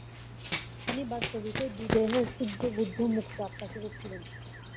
তিনি বাস্তবিকই বিদেহ শুদ্ধ-বুদ্ধ-মুক্ত-আত্মাস্বরূপ ছিলেন।